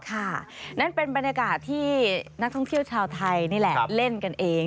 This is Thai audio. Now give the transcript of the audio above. นั่นเป็นบรรยากาศที่นักท่องเที่ยวชาวไทยนี่แหละเล่นกันเอง